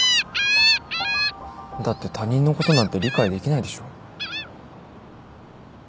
だって他人のことなんて理解できないでしょ。